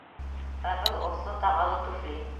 Ә был осло тағалы туфли!